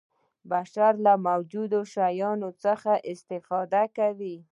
بشر له موجودو شیانو څخه استفاده کوي.